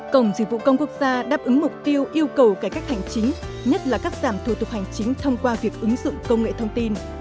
cổng dịch vụ công quốc gia đáp ứng mục tiêu yêu cầu cải cách hành chính nhất là cắt giảm thủ tục hành chính thông qua việc ứng dụng công nghệ thông tin